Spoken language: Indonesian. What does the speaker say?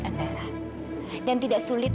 andara dan tidak sulit